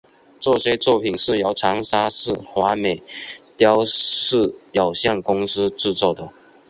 这些作品是由长沙市华美雕塑有限公司制作的。